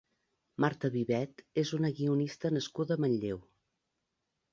Marta Vivet és una guionista nascuda a Manlleu.